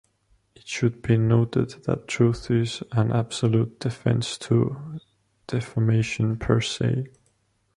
It should be noted that truth is an absolute defense to defamation per se.